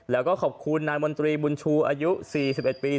แล้วก็ขอบคุณนายมนตรีบุญชูอายุ๔๑ปี